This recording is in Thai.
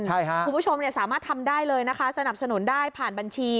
คุณผู้ชมสามารถทำได้เลยนะคะสนับสนุนได้ผ่านบัญชี